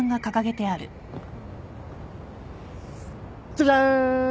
ジャジャーン！